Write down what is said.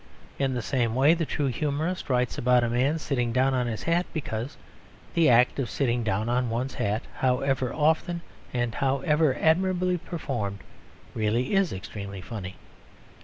In the same way the true humourist writes about a man sitting down on his hat, because the act of sitting down on one's hat (however often and however admirably performed) really is extremely funny.